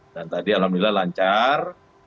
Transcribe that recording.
dan tadi alhamdulillah lancar